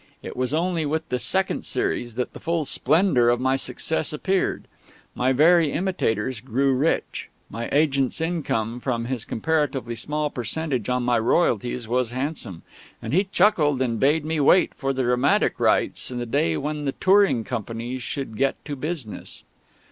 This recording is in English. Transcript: It was only with the second series that the full splendour of my success appeared. My very imitators grew rich; my agent's income from his comparatively small percentage on my royalties was handsome; and he chuckled and bade me wait for the dramatic rights and the day when the touring companies should get to business....